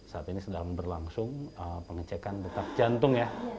saat ini sedang berlangsung pengecekan detak jantung ya